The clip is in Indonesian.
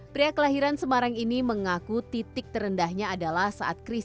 pria kelahiran semarang ini mengaku titik terendahnya adalah saat krisis